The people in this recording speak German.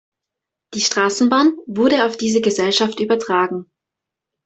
Die Straßenbahn wurde auf diese Gesellschaft übertragen.